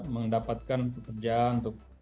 mendapatkan pekerjaan untuk